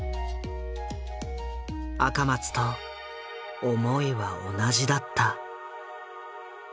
赤松と思いは同じだった。